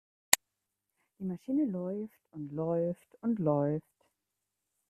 Die Maschine läuft und läuft und läuft.